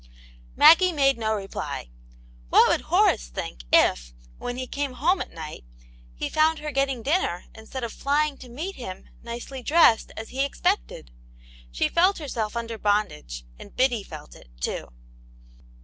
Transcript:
Maggie made no reply. What would Horace think, if, when he came home at night, he found her getting dinner instead of flying to meet him, nicely dressed, ds he expected } She felt herself under bondage, and Biddy felt it, too.